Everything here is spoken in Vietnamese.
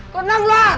con lăn đoàn